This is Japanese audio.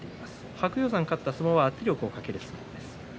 白鷹山が勝った相撲は圧力をかける相撲です。